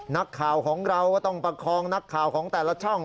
นักข่าวของเราก็ต้องประคองนักข่าวของแต่ละช่อง